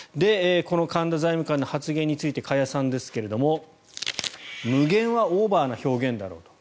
この神田財務官の発言について加谷さんですが無限はオーバーな表現だろうと。